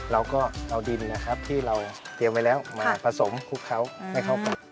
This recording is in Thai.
เราก็เอาดินนะครับที่เราเตรียมไว้แล้วมาผสมคลุกเขาให้เข้ากัน